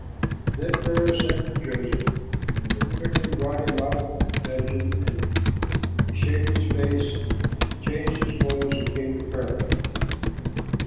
Then Pharaoh sent for Joseph, and they quickly brought him out of the dungeon; and he shaved his face, changed his clothes, and came to Pharaoh.